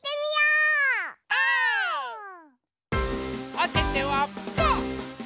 おててはパー！